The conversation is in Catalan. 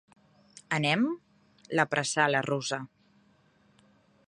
Anem? —l'apressà la russa.